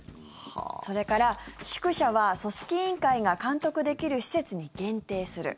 それから宿舎は、組織委員会が監督できる施設に限定する。